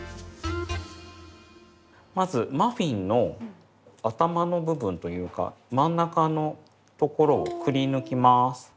まずマフィンの頭の部分というか真ん中のところをくりぬきます。